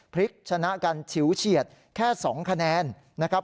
พลิกชนะกันฉิวเฉียดแค่๒คะแนนนะครับ